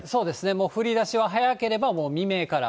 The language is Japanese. もう降りだしは早ければもう未明から。